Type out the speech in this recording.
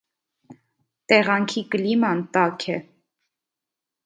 Տեղանքի կլիման տաք է։